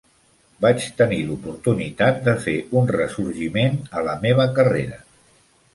Vaig tenir l"oportunitat de fer un ressorgiment a la meva carrera.